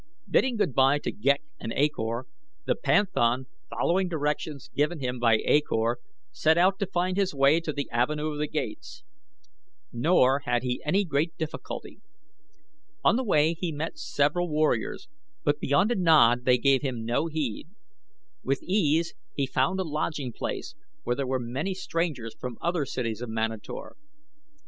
Bidding good bye to Ghek and A Kor, the panthan, following directions given him by A Kor, set out to find his way to the Avenue of Gates, nor had he any great difficulty. On the way he met several warriors, but beyond a nod they gave him no heed. With ease he found a lodging place where there were many strangers from other cities of Manator.